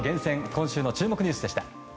今週の注目ニュースでした。